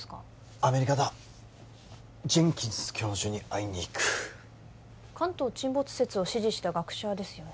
アメリカだジェンキンス教授に会いにいく関東沈没説を支持した学者ですよね